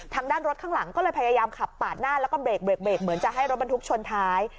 ทางด้านรถข้างหลังก็เลยพยายามขับปาดหน้าแล้วก็เบรกเหมือนจะให้รถบรรทุกชนท้าย